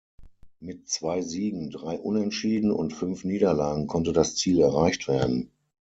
Mit zwei Siegen, drei Unentschieden und fünf Niederlagen konnte das Ziel erreicht werden.